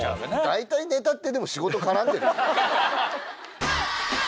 大体ネタってでも仕事絡んでる。